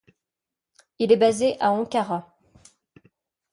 Il est basé à Ankara.